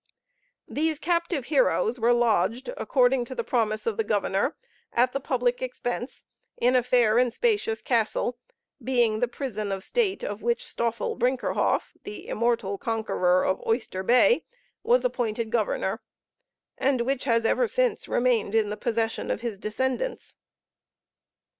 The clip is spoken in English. These captive heroes were lodged, according to the promise of the governor, at the public expense, in a fair and spacious castle, being the prison of state of which Stoffel Brinkerhoff, the immortal conqueror of Oyster Bay, was appointed governor, and which has ever since remained in the possession of his descendants.